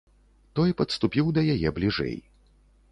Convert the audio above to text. Той падступіў да яе бліжэй.